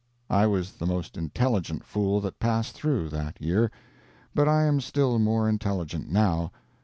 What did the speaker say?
I was the most intelligent fool that passed through, that year. But I am still more intelligent now.